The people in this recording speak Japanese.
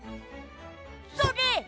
それ！